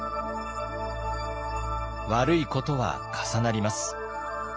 悪いことは重なります。